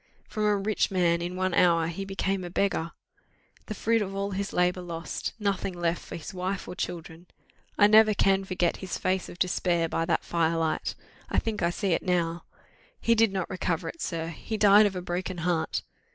From a rich man in one hour he became a beggar! The fruit of all his labour lost nothing left for his wife or children! I never can forget his face of despair by that fire light. I think I see it now! He did not recover it, sir, he died of a broken heart.